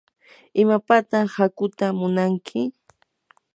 ¿imapataq hakuuta munanki?